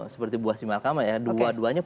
seperti buah simalkama ya dua duanya